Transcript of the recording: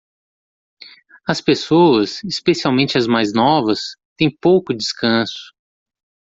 As pessoas, especialmente as mais novas, têm pouco descanso.